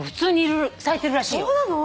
そうなの？